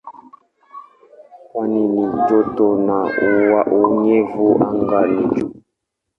Pwani ni joto na unyevu anga ni juu.